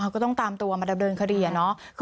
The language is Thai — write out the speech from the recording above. ก็ต้องตามตัวมาดำเนินคดีอะเนาะ